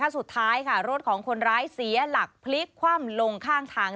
สุดท้ายค่ะรถของคนร้ายเสียหลักพลิกคว่ำลงข้างทาง